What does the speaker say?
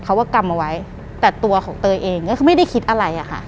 ว่ากำเอาไว้แต่ตัวของเตยเองก็คือไม่ได้คิดอะไรอะค่ะ